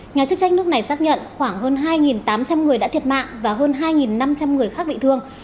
nhà chức trách nước này xác nhận khoảng hơn hai tám trăm linh người đã thiệt mạng và hơn hai năm trăm linh người khác bị thương